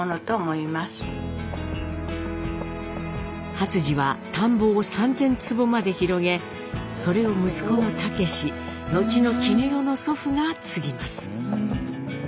初次は田んぼを３，０００坪まで広げそれを息子の武後の絹代の祖父が継ぎます。